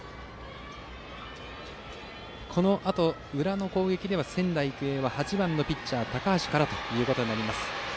このあと裏の攻撃で仙台育英は８番ピッチャーの高橋からということになります。